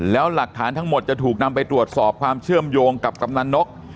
แล้วหลักฐานทั้งหมดจะถูกนำไปตรวจสอบความเชื่อมโยงกับกำนันนก